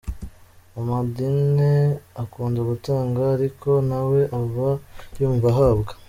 Amandine akunda gutanga ariko nawe aba yumva yahabwa.